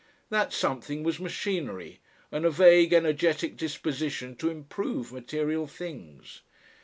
That something was machinery and a vague energetic disposition to improve material things.